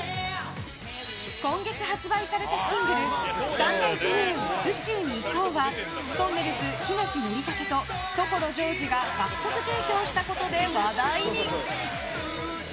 今月発売されたシングル「サンライズ・ムーン宇宙に行こう」はとんねるず木梨憲武と所ジョージが楽曲提供したことで話題に。